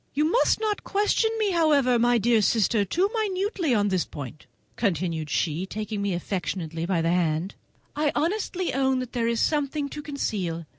You must not question me, however, my dear sister, too minutely on this point," continued she, taking me affectionately by the hand; "I honestly own that there is something to conceal.